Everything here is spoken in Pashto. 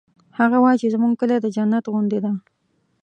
هغه وایي چې زموږ کلی د جنت غوندی ده